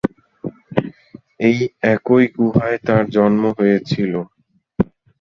এই একই গুহায় তার জন্ম হয়েছিল।